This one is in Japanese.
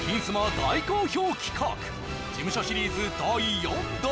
大好評企画事務所シリーズ第４弾！